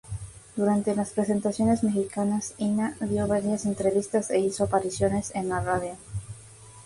Durante las presentaciones mexicanas, Inna dió varias entrevistas e hizo apariciones en la radio.